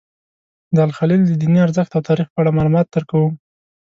د الخلیل د دیني ارزښت او تاریخ په اړه معلومات درکوم.